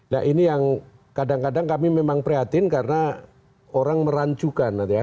nah ini yang kadang kadang kami memang prihatin karena orang merancukan